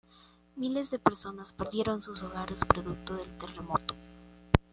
Miles de personas perdieron sus hogares producto del terremoto.